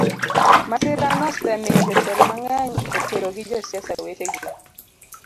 Masirano osemiyo jotelo mang'eny okedo gi josiasa wetegi.